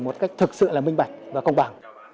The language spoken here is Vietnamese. một cách thực sự là minh bạch và công bằng